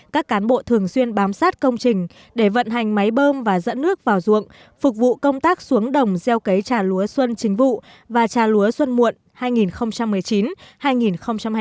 các cán bộ thường xuyên bám sát công trình để vận hành máy bơm và dẫn nước vào ruộng phục vụ công tác xuống đồng gieo cấy trà lúa xuân chính vụ và trà lúa xuân muộn hai nghìn một mươi chín hai nghìn hai mươi